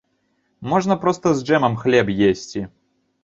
Можна проста з джэмам хлеб есці.